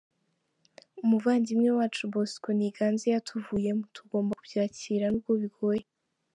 Umuvandimwe wacu Bosco Niganze yatuvuyemo, tugomba kubyakira nubwo bigoye.